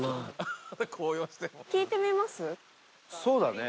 そうだね。